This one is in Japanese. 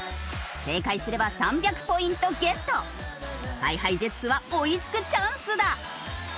正解すれば３００ポイントゲット。ＨｉＨｉＪｅｔｓは追いつくチャンスだ。